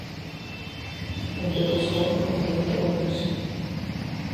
Anda-k a ṣwav, anda telliḍ a tigzi?